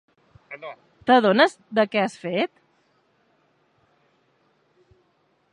T'adones de què has fet?